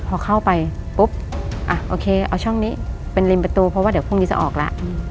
พอเข้าไปปุ๊บอ่ะโอเคเอาช่องนี้เป็นริมประตูเพราะว่าเดี๋ยวพรุ่งนี้จะออกแล้ว